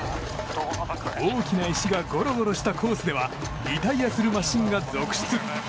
大きな石がゴロゴロしたコースではリタイアするマシンが続出。